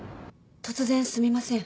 突然すみません。